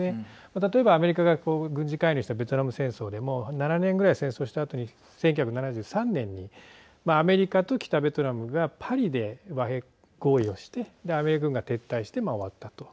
例えば、アメリカが軍事介入したベトナム戦争でも７年ぐらい戦争したあとに１９７３年にアメリカと北ベトナムがパリで和平合意をしてアメリカ軍が撤退して終わったと。